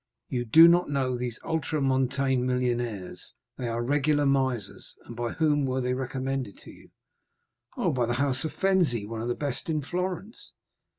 You do not know these ultramontane millionaires; they are regular misers. And by whom were they recommended to you?" "Oh, by the house of Fenzi, one of the best in Florence."